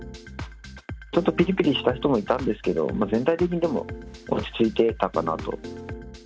ちょっとぴりぴりした人もいたんですけど、全体的に、でも落ち着いてたかなと。